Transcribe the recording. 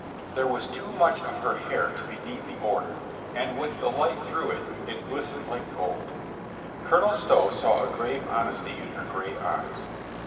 There was too much of her hair to be neatly ordered, and with the light through it it glistened like gold. Colonel Stow saw a grave honesty in her gray eyes.